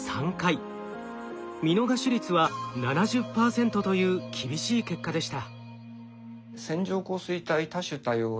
見逃し率は７０％という厳しい結果でした。